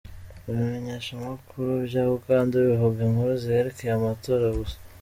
Ibimenyeshamakuru vya Uganda bivuga inkuru zerekeye amatora gusa.